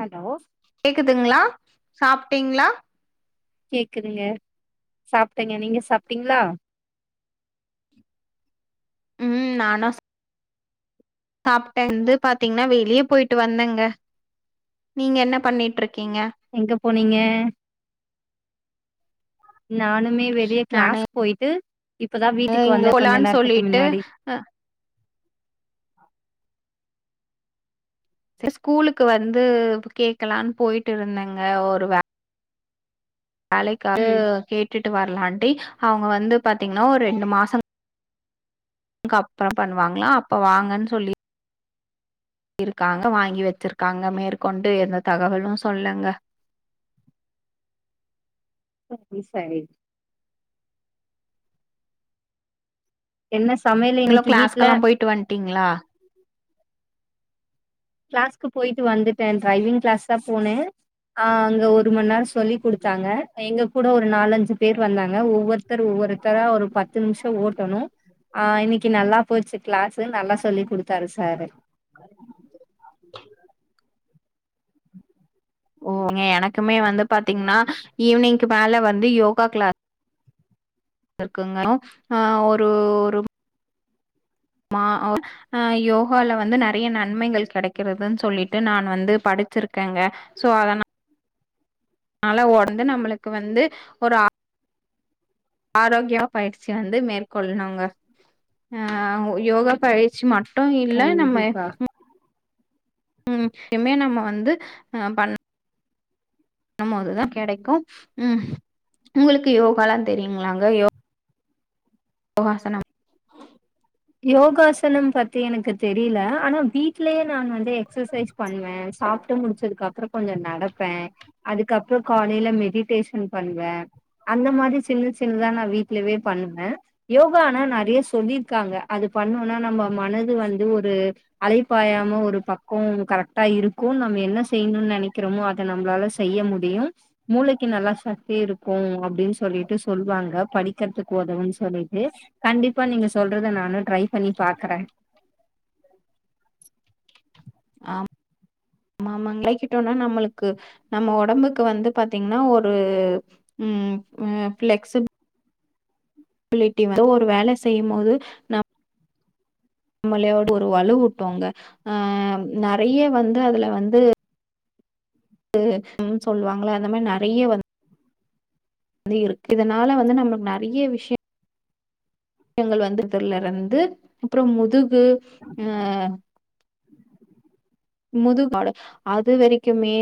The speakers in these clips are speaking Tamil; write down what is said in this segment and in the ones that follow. ஹலோ கேக்குதுங்ளா சாப்டிங்ளா கேக்குதுங்க சாப்டங்க நீங்க சாப்டிங்ளா ம் நானாஸ் சாப்டேந்து பாத்தீங்னா வெளிய போயிட்டு வந்தங்க நீங்க என்ன பண்ணிட்ரு எங்க போனீங்க நானுமே வெளிய க்ளாஸ் போயிட்டு இப்பதா அ வீட்டுக்கு இங் வந்தே கொஞ்ச போலான் நேரத்துக்கு சொல்ட்டு முன்னாடி அ ஸ்கூலுக்கு வந்து கேக்கலான் போயிட்டுருந்தங்க ஒரு வே வேலைக்காது ம் கேட்டுட்டு வரலான்ட்டி அவுங்க வந்து பாத்தீங்னா ஒரு ரெண்டு மாசோ அப்றோ பண்ணுவாங்ளா அப்ப வாங்கன் சொல்லி இருக்காங்க வாங்கி வெச்சிருக்காங்க மேற்கொண்டு எந்த தகவலூ சொல்லங்க [unintelligible] சரி என்ன ஸ் நீங்க கிளாஸ்க்கெல்லா போயிட்டு வன்ட்டீங்ளா கிளாஸ்க்கு போயிட்டு வந்துட்டே ட்ரைவிங் கிளாஸ்தா போனே ஆ அங்க ஒரு மண் நேரோ சொல்லி குடுத்தாங்க எங்க கூட ஒரு நாலஞ்சு பேரு வந்தாங்க ஒவ்வொர் த்தர் ஒவ்வொருத்தரா ஒரு பத்து நிமிஷோ ஓட்டணூ ஆ இன்னைக்கு நல்லா போச்சு க்ளாஸு நல்லா சொல்லி குடுத்தாரு சாரு ஓ ங எனக்குமே வந்து பாத்தீங்னா ஈவ்னிங்கு மேல வந்து யோகா க்ளா இர்க்குங்க அ ஒரு ஒரு மா ஒ யோகால வந்து நறைய நன்மைகள் கெடைக்கிறதுன் சொல்லிட்டு நான் வந்து படிச்சிருக்கேங்க சோ அதனா அல ஒட்ந்து நம்மளுக்கு வந்து ஒரு ஆ ஆரோக்கியாவ் பயிற்சி வந்து மேற்கொள்ணுங்க அ உ யோகா பயிற்சி மட் டு இல்ல நம்மய கண்டிப்பா ம் எம்மே நம்ம வந்து அ பண் ணம்மோதுதா கெடைக்கு ம் உங்களுக்கு யோகாலா தெரியுங்ளாங்க யோ ஒகாசன யோகாசனம் பத்தி எனக்கு தெரிய்ல ஆனா வீ ட்லே நான் வந் எக்ஸசைஸ் பண்வே சாப்ட்டு முடிச்சதுக் அப்ற கொஞ்ச நடப்பே அதுக்கப்ற காலைல மெடிடேஷன் பண்வ அந்த மாதி சின்னு சின்னுதா நா வீட்லவே பண்ணுவ யோகானா நறிய சொல்லிர்க்காங்க அது பண்ணோனா நம்ப மனது வந்து ஒரு அலைப்பாயாம ஒரு பக்கொ கரக்ட்டா இருக்கு நம்ம என்ன செய்ணுன் நெனக்கிறோமோ அத நம்ப்ளால செய்ய முடியு மூளக்கி நல்லா சக்தி இருக்கு அப் அப்டின் சொல்லிட்டு சொல்வாங்க படிக்கிறதுக்கு ஒதவும்னு சொல்லிட்டு கண்டிப்பா நீங்க சொல்றத நானு ட்ரை பண்ணி பாக்கறே ஆம் நம்ம அங்க ளைக்கிட்டோனா நம்மளுக்கு நம்ம ஒடம்புக்கு வந்து பாத்தீங்னா ஒரு ம் ஆ ஃப்ளெக்ஸ்சிப் பிலிட்டி வே லோ ஒரு வேல செய்யும் மோது நம் அம்பளையோடு ஒரு வலு வுட்டுவாங்க ஆ நெறைய வந்து அதுல வந்து ம் சொல்லுவாங்கள அந்த மாரி நெறைய வந்து வ இருக்கு இதனால வந்து நம்மளுக்கு நெறைய விஷயம் எங்கள் வந்துறதுல இருந்து அப்பறம் முது ம் ஆ முதுகாடு அது வரைக்குமே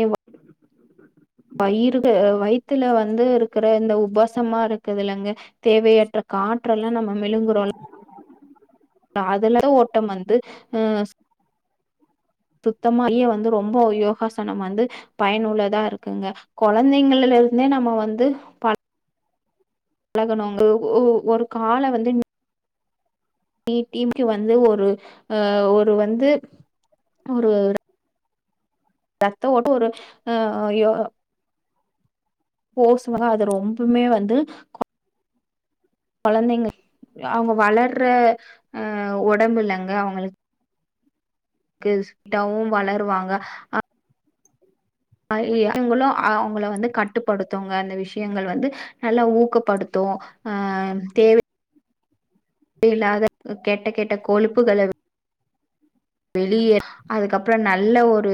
த்துல வந்து இருக்கிற இந்த உப்புசமா இருக்குதுல இல்லங்க தேவையற்ற காட் காற்றெல்லாம் நம்ம விழுங்குறோல்ல அதுல ஓட்டம் வந்து அ சுத்தமா இ வந்து ரொம்ப யோகாசனம் வந்து பயனுள்ளதா இருக்குங்க குழந்தைங்கள்ல இருந்தே நம்ம வந்து பழ பழகணும்ங்க ஒரு கால வந்து நீ டீம்கு வந்து ஒரு அ ஒரு வந்து ஒரு ரத்தம் ஓட்டம் ஒரு அய்யோ போசுவாங்க அது ரொம்பமே வந்து குழந்தைங்க அவங்க வளர்ற அ உடம்பு இல்லங்க அவங்களுக்கு ஃபாஸ்ட்டாவும் வளருவாங்க அவங்களும் அவங்கள வந்து கட்டுப்படுத்துங்க அந்த விஷயங்கள் வந்து நல்லா ஊக்கப்படுத்தும் அ தேவை இல்லாத கெட்ட கெட்ட கொழுப்புகளை வெளியே அதுக்கப்பறம் நல்ல ஒரு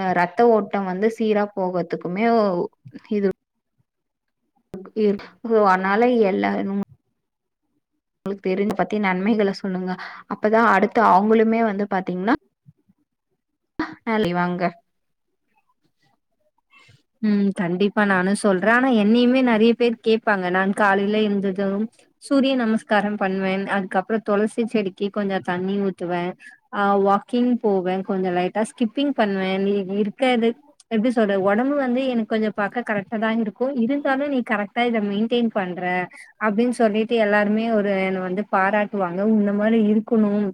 ஆ ரத்த ஓட்டம் வந்து சீரா போகறதுக்குமே ஓ இது ஓகே அதனால எல்லா உங்களுக்கு தெரிஞ்சத பத்தி நன்மைகளை சொல்லுங்க அப்பதான் அடுத்து அவங்களுமே வந்து பாத்தீங்ன்னா [unintelligible] வாங்க ப்ப நானும் சொல்றேன் ஆனா என்னையுமே நெறைய பேர் கேட்பாங்க நானு காலையில எந்திருச்சதும் சூரிய நமஸ்காரம் பண்ணுவேன் அதுக்கப்பறம் துளசி செடிக்கு கொஞ்சம் தண்ணி ஊத்துவேன் ஆ வாக்கிங் போவேன் கொஞ்சம் லைட்டா ஸ்கிப்பிங் பண்ணுவேன் சேரி எப்டி சொல்லற உடம்பு வந்து வந்து எனக்கு கொஞ்சம் பார்க்க கரெக்டா தான் இருக்கும் இருந்தாலும் நீ கரெக்ட் மெயின்டைன் பண்ற அப்டின்னு சொல்லிட்டு எல்லாருமே ஒரு என்னை வந்து பாராட்டுவாங்க இந்த மாரி இருக்கணும்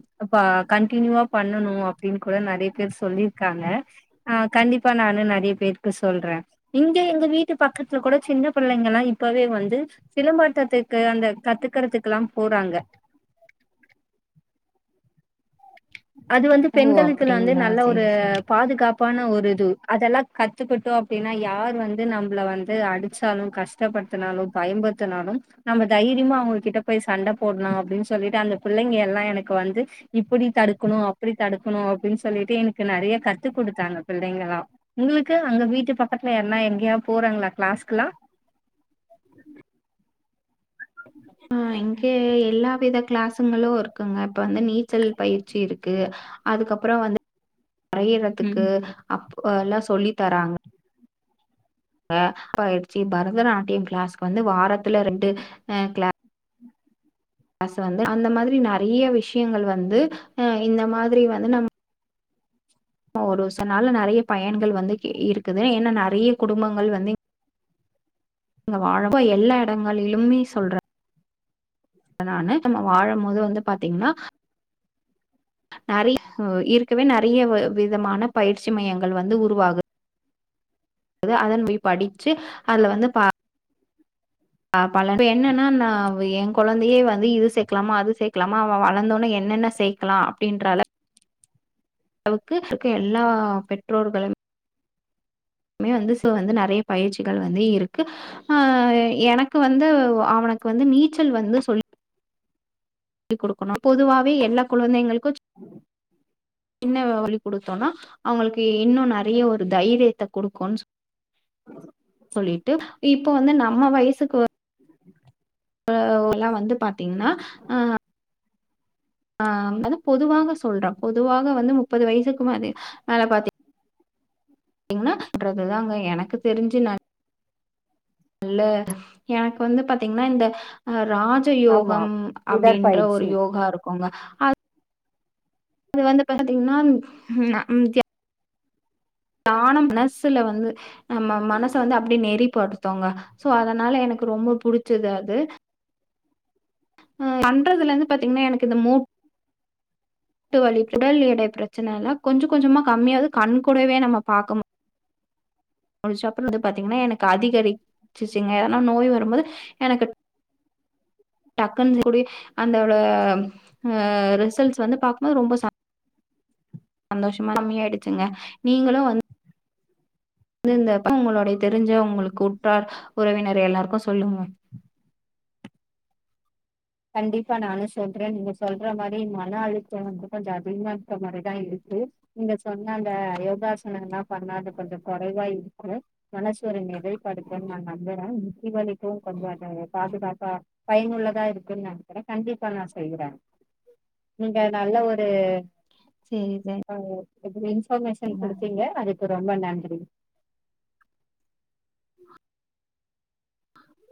கண்டினியூவா பண்ணனும் அப்டின்னு கூட நெறைய பேரு சொல்லிருக்காங்க ஆஹ கண்டிப்பா நானும் நெறைய பேருக்கு சொல்றேன் இங்க எங்க வீட்டு பக்கத்துல கூட சின்ன பிள்ளைங்க எல்லாம் இப்பவே வந்து சிலம்பாட்டத்துக்கு அந்த கத்துக்கறதுக்கு எல்லாம் போறாங்க அது வந்து ஓ பெண்களுக்கு வந்து அப்டிங்களா நல்ல ஒரு சேரி சேரி பாதுகாப்பான ஒரு அதெல்லாம் கத்துக்கிட்டோம் அப்டினா யார் வந்து நம்மல வந்து அடிச்சாலும் கஷ்டப்படுத்தினாலும் பயப்டுத்தினாலும் நம்ம தைரியமா அவங்க கிட்ட போய் சண்டை போடலாம் அப்படின்னு சொல்லிட்டு அந்த பிள்ளைங்க எல்லாம் எனக்கு வந்து இப்டி தடு க்கணும் அப்படி தடுக்கணும் அப்படின்னு சொல்லிட்டு எனக்கு நிறைய கத்து கொடுத்தாங்க பிள்ளைங்களாம் உங்களுக்கு அங்க வீட்டு பக்கத்துல எல்லாம் எங்கேயாவது போறாங்களா கிளாஸ்க்கெல்லாம் ம் இங்க எல்லா வித கிளாசுங்களும் இருக்குங்க இப்ப வந்து நீச்சல் பயிற்சி இருக்கு அதுக்கப்பறம் வந்து வரையிறதுக்கு ம். அப் ஒ எல்லா சொல்லி தராங்க அப்ப ஆயிடுச்சு பரதநாட்டியம் கிளாஸ்கு வந்து வாரத்துல ரெண்டு கிளா காசு வந்து அந்த மாதிரி நெறைய விஷயங்கள் வந்து அ இந்த மாதிரி வந்து நம் ஒரு சில நாள்ல நெறைய பயன்கள் வந்து இருக்குது ஏன்னா நெறைய குடும்பங்கள் வந்து நீங்க வாழப்போ எல்லா எடங்களிலுமே சொல்ற அதனால நம்ம வாழும் போது வந்து பாத்தீங்கன்னா நெறையா இருக்கவே நெறையா விதமான பயிற்சி மையங்கள் வந்து உருவாகு அதன் போய் படிச்சு அதுல வந்து பா அ பல இப்ப என்னன்னா நா என் கொழந்தையே வந்து இது சேக்கலாமா அது சேக்கலாமா அவன் வளர்ந்தோடனே என்னென்ன சேக்கலா அப்புடின்ற ளவுக்கு இருக்க எல்லா பெற்றோர்கள மே வந்து வந்து நறிய பயிற்சிகள் வந்து இருக்கு ஆ எனக்கு வந்து அவனுக்கு வந்து நீச்சல் வந்து சொல்லி சொல்லி குடுக்கணு பொதுவாவே எல்லா குழந்தைங்களு சின்ன வழி குடுத்தோனா அவங்களுக்கு இன்னு நறிய ஒரு தைரியத்த குடுக்குன் சொல்லிட்டு இப் ப வந்து நம்ம வயசுக்கு அ எலா வந்து பாத்தீங்கன்னா அ ஆ அது பொதுவாக சொல்றம் பொதுவாக வந்து முப்பது வயசுக்குே அது மேல பாத்தி இன்ன [unintelligible] எனக்கு தெரிஞ்சு ந அல்ல எனக்கு வந்து பாத்தீங்கனா இந்த அ ஆமா. ராஜயோகம் அப்டின்ற ஒரு உடற்பயிற்சி. யோகா இருக்குங்க அது அது வந்து பாத்தீங்கனா ம்ம் கே தானம் மனசுல வந்து நம்ம மனச வந்து அப்டி நெறிப்படுத்து ங்க சோ அதனால எனக்கு ரொம்ப புடிச்சது அது அ பண்றதுலருந்து பாத்தீங்கன்னா எனக்கு இந்த மூட்டுவலி உடல் எடை பிரச்சனல்லா கொஞ்சோ கொஞ்சமா கம்மியாவது கண்கூடவே நம்ம பாக்கமு முடிச்ச அப்புறோ வந்து பாத்தீங்கன்னா எனக்கு அதிகரிச்சுச்சுங்க ஏனா நோய் வரும்போது எனக்கு டக்குன்னு செய்யக்கூடிய அந்த ஆ ரிசல்ட்ஸ் வந்து பாக்கும்போது ரொம்ப ச சந்தோஷமா கம்மியாயிடுச்சுங்க நீங்களு வந்து வ ருந்தப்ப உங்களுடைய தெரிஞ்ச உங்களுக்கு உற்றார் உறவினர் எல்லாருக்கு சொல்லுங்க கண்டிப்பா நானு சொல்றே நீங்க சொல்ற மாரி மன அழுத்த வந்து கொஞ்சோ அதிகமாருக்க மாரிதா இருக்கு நீங்க சொன்ன அந்த யோகாசனம் லா பண்ணா அ கொஞ்சோ கொறைவா இருக்கு மனசு ஒரு நிலைப்படுத்துன்னு நா நம்புறே முட்டி வலிக்கு கொஞ்சோ ம் பாதுகாப்பா பயனுள்ளதா இருக் நம்புற கண்டிப்பா நா செய்யுற நீங்க நல்ல ஒரு செரி ஜ எப்படின் இன்ஃபர்மேஷன் குடுத்தீங்க அது ரொம்ப நன்றி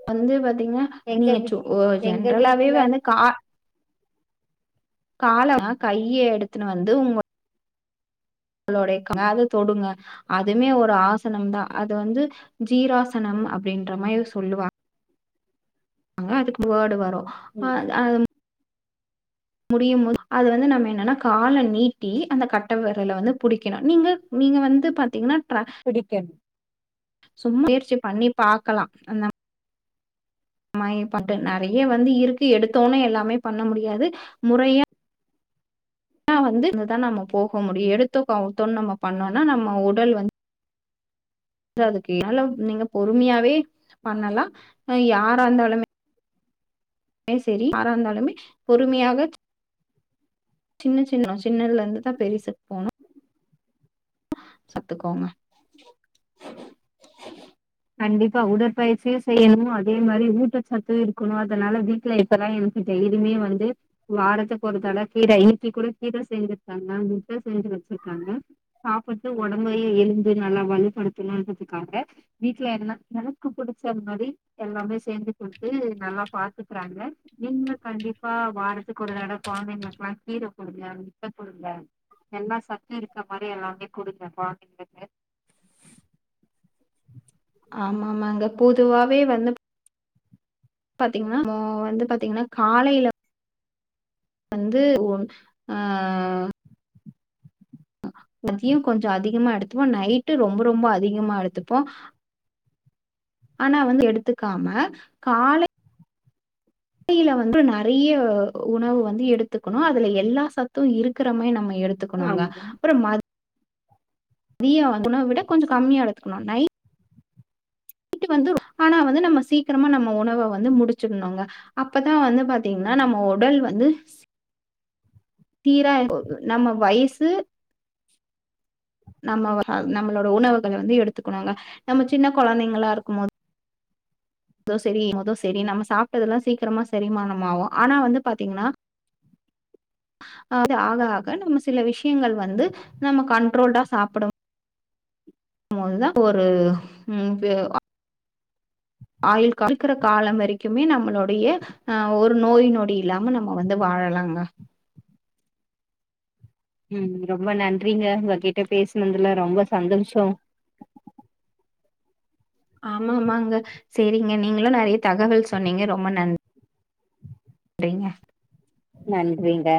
வந்து வந் பாத்தின்னா எங்க நீங்க வீ ச்சு ஒ எங்க ஜென்ரலாவே வீட்ல வந்து கா காலமா கைய எடுத்துன்னு வந்து உங்க நமளோட காது தொடுங்க அதுமே ஒரு ஆசனம் தா அது வந்து ஜீராசனம் அப்டின்ற மாரி சொல்லுவாங் அங்க அதுக்கு வேர்டு வரு அ ம் அம் முடியும் போது அது வந்து நம்ம என்னன்னா கால நீட்டி அந்த கட்ட விரல வந்து புடிக்கணு நீங்க நீங்க வந்து பாத்தீங்கனா புடிக்கனு சும்ம முயற்சி பண்ணி பாக்கலா அந்த மாயப்பட்டு நிறைய வந்து இருக்கு எடுத்தோனே எல்லாமே பண்ண முடியாது முறையா ஏனா வந்து இதுதான் நம்ம போக முடியும் எடுத்தோ கவுத்தோன்னு நம்ம பண்ணோம்னா நம்ம உடல் வந்து அ அதுக்குால நீங்க பொறுமையாவே பண்ணலாம்ஹ யாரா இருந்தாலுமே சரி ஆாராந்தாலுமே பொறுமையாக சின்ன சின்ன சின்னதுல இருந்துதா பெருசுக்கு போனும் சத்துக்கோங்க கண்டிப்பா உடற்பயிற்சியும் செய்யணும் அதே மாதிரி ஊட்டச்சத்தும் இருக்கணும் அதனால வீட்டுல இப்பல்லாம் எனக்கு டெரியுமே வந்து வரத்துக்கு ஒருத்தட கீரை இப்பி கூட கீரை செஞ்சிருக்காங்க முட்ட செஞ்சு வச்சிருக்காங்க சாப்பிட்டு உடம்பையே எழுந்து நல்லா வலுப்படுத்தணும்ன்றதுக்காக வீட்டு்ல எல்லாம் எனக்கு பிடிச்சது மாதிரி எல்லாமே சேர்ந்து கொடுத்து நல்லா பாத்துக்குறாங்க மின்ல கண்டிப்பா வாரத்துக்கு ஒரு தடவ குழந்தைங்களுக்குெல்லா கீரை கொடுங்க முட்ட கொடுங்க எல்லா சத்து இருக்க மாதிரி எல்லாமே கொடுங்க குந்தைங்களுக்கு [inaudible] ஆமா ஆமாங்க பொதுவாவே வந்து பாத்தீங்கன்னா இப்ப வந்து பாத்தீங்கன்னா காலைல வந்து உ ஆஹ் மதியம் கொஞ்சம் அதிகமா எடுத்துப்போம் நைட்டு ரொம்ப ரொம்ப அதிகமா எடுத்துப்போம் ஆனா வந்து எடுத்துக்காம காலை காலைல வந்து நிறைய உணவு வந்து எடுத்துக்கணும் அதுல எல்லா சத்தும் இருக்கிற மாதிரி நம்ம எடுத்துக்கணுங்க ஆமா. அப்றம் மதி தீயா வாங்கணும் விட கொஞ்சம் கம்மியா எடுத்துக்கணும் நை வட்டு வந்து ஆனா வந்து நம்ம சீக்கிரமா நம்ம உணவை வந்து முடிச்சிடணுங்க அப்பதான் வந்து பாத்தீங்கன்னா நம்ம உடல் வந்து தீரா நம்ம வயசு நம்ம நம்மளோட உணவுகளை வந்து எடுத்துக்கணுங்க நம்ம சின்ன குழந்தைங்களா இருக்கும் போது ஏதோ சரிதோ சரி நம்ம சாப்பிட்டதெல்லாம் சீக்கிரமா சரிமானம ஆவும் ஆனா வந்து பாத்தீங்கன்னா அது ஆக ஆக நம்ம சில விஷயங்கள் வந்து நம்ம கண்ட்ரோல்டா சாப்பிட முன்ன ஒரு [unintelligible] ஆயுள் ஆய்கிற காலம் வரைக்குமே நம்மளுடைய அஹ் ஒரு நோய் நொடி இல்லாம நம்ம வந்து வாழலாங்க ம் ரொம்ப நன்றிங்க உங்க கிட்ட பேசுினதுல ரொம்ப சந்தோஷம் ஆமா ஆமாங்க சரிங்க நீங்களும் நிறைய தகவல் சொன்னீங்க ரொம்ப நன்றி அப்டிங்க நன்றிங்க